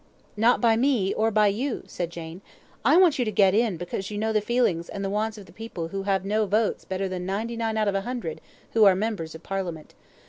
"Not by me, or by you," said Jane. "I want you to get in because you know the feelings and the wants of the people who have no votes better than ninety nine out of a hundred, who are members of Parliament.